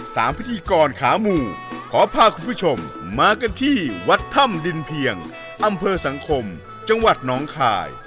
พิธีกรขาหมู่ขอพาคุณผู้ชมมากันที่วัดถ้ำดินเพียงอำเภอสังคมจังหวัดน้องคาย